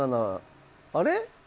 あれ？